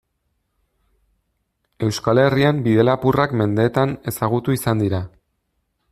Euskal Herrian bidelapurrak mendeetan ezagutu izan dira.